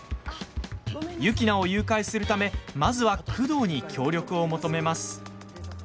雪菜を誘拐するためまずは久遠に協力を求めます。